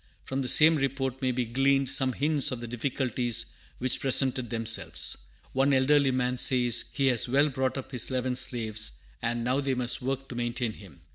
From the same report may be gleaned some hints of the difficulties which presented themselves. One elderly man says he has well brought up his eleven slaves, and "now they must work to maintain him."